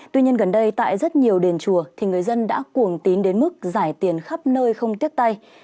tuy nhiên gần đây tại rất nhiều đền chùa thì người dân đã cuồng tín đến mức giải tiền khắp nơi không tiếc tay